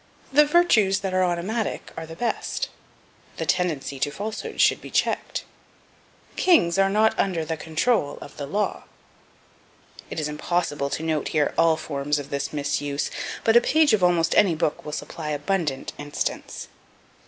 "The virtues that are automatic are the best." "The tendency to falsehood should be checked." "Kings are not under the control of the law." It is impossible to note here all forms of this misuse, but a page of almost any book will supply abundant instance.